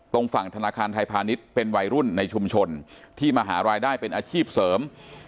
ฝั่งธนาคารไทยพาณิชย์เป็นวัยรุ่นในชุมชนที่มาหารายได้เป็นอาชีพเสริม